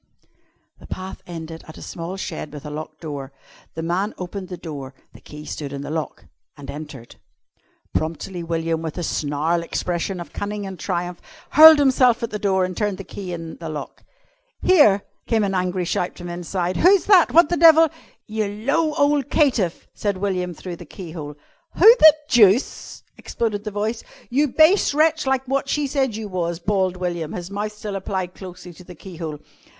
The path ended at a small shed with a locked door. The man opened the door the key stood in the lock and entered. Promptly William, with a snarl expressive of cunning and triumph, hurled himself at the door and turned the key in the lock. "Here!" came an angry shout from inside. "Who's that? What the devil " "You low ole caitiff!" said William through the keyhole. "Who the deuce ?" exploded the voice. "You base wretch, like wot she said you was," bawled William, his mouth still applied closely to the keyhole.